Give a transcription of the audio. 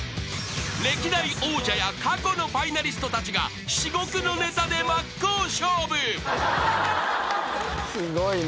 ［歴代王者や過去のファイナリストたちが至極のネタで真っ向勝負］